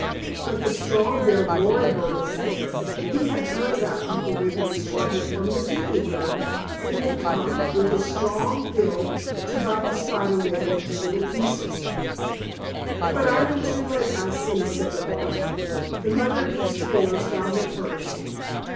But the strong billed Lory bird was there. He had heard about Uncle Wiggily's trouble from the Do do bird, and had come, with his strong bill, to bite the spider web into little pieces. "But I am too late, I see," said the Lory. "The Mother Goose Tailors got here first.